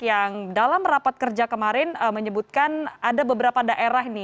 yang dalam rapat kerja kemarin menyebutkan ada beberapa daerah nih